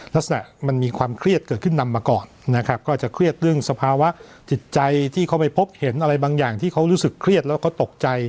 ลักษณะมันมีความเครียดเกิดขึ้นนำมาก่อนนะครับก็อาจจะเครียดเรื่องสภาวะจิตใจที่เขาไปพบเห็นอะไรบางอย่างที่เขารู้สึกเครียดแล้วก็ตกใจ